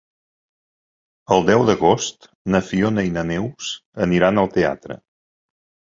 El deu d'agost na Fiona i na Neus aniran al teatre.